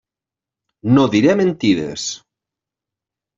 No diré mentides.